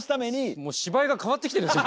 もう芝居が変わってきてるんですよ。